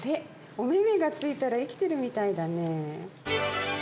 おめめがついたら生きてるみたいだねえ。